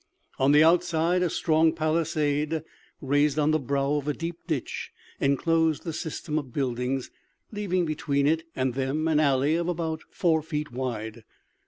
On the outside, a strong palisade, raised on the brow of a deep ditch, enclosed the system of buildings, leaving between it and them an alley about four feet wide.